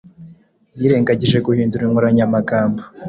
yirengagije guhindura inkoranyamagambo